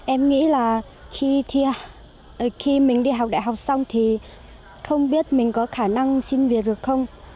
em nghĩ là khi thi mình đi học đại học xong thì không biết mình có khả năng xin việc được không